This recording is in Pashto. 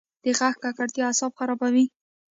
د غږ ککړتیا اعصاب خرابوي.